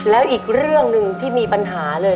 แล้วอีกเรื่องหนึ่งที่มีปัญหาเลย